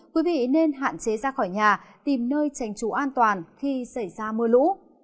quý vị nên hạn chế ra khỏi nhà tìm nơi trành trú an toàn khi xảy ra mưa lũ